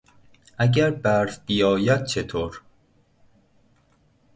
اگر برف بیاید چطور؟